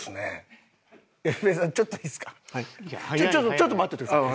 ちょっと待っててください。